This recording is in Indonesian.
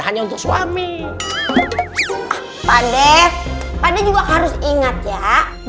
hanya untuk suami dificil pandemic hanya juga harus ingat ya berdandar